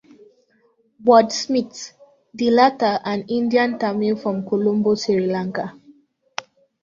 Wordsmith, the latter an Indian Tamil from Colombo, Sri Lanka.